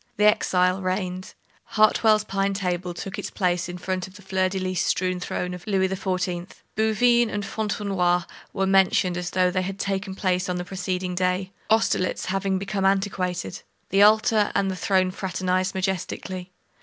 The exile reigned. Hartwell's pine table took its place in front of the fleur de lys strewn throne of Louis XIV. Bouvines and Fontenoy were mentioned as though they had taken place on the preceding day, Austerlitz having become antiquated. The altar and the throne fraternized majestically.